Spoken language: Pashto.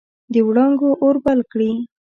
د وړانګو اور بل کړي